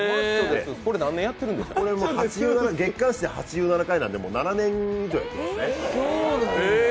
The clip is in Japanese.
これは月刊誌で８７回なので、もう７年ぐらいやってますね。